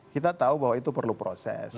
kita tahu bahwa itu perlu proses